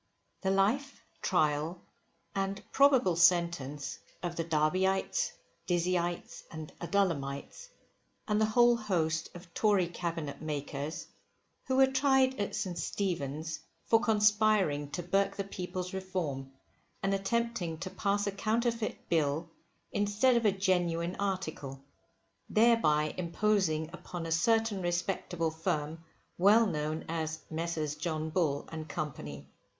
The Life, Trial, and probable Sentence of the DERBYITES, DIZZYITES, AND ADULLAMITES, AND THE WHOLE HOST OF TORY CABINET MAKERS, Who were tried at St. Stephen's, for conspiring to burke the People's Reform, and attempting to pass a Counterfeit Bill instead of a Genuine Article; thereby imposing upon a certain respectable firm, well known as Messrs John Bull and Company.